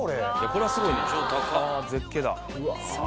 これはすごいな絶景だ。